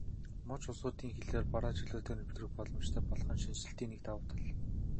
Муж улсуудын хилээр бараа чөлөөтэй нэвтрэх боломжтой болох нь шинэчлэлийн нэг давуу тал.